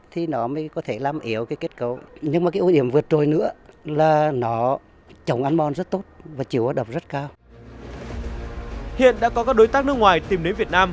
hiện đã có các đối tác nước ngoài tìm đến việt nam